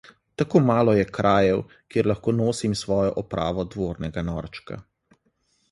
Tako malo je krajev, kjer lahko nosim svojo opravo dvornega norčka.